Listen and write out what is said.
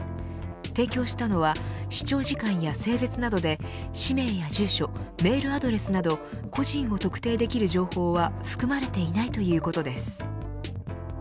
提供したのは視聴時間や性別などで氏名や住所、メールアドレスなど個人を特定できる情報は含まれていないということです。